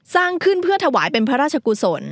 สร้างขึ้นเพื่อถวายเป็นพระราชกุศล